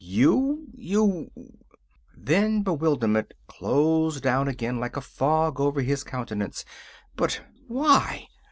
"You you " Then bewilderment closed down again like a fog over his countenance. "But why?